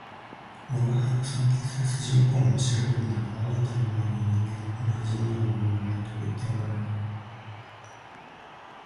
吾輩の尊敬する筋向こうの白君などは会う度毎に人間ほど不人情なものはないと言っておらるる